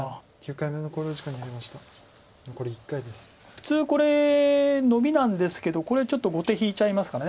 普通これノビなんですけどちょっと後手引いちゃいますから。